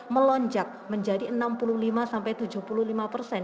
melonjak menjadi enam puluh lima sampai tujuh puluh lima persen